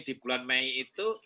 di bulan mei itu